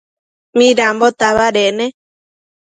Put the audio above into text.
Midambo tabadec ne?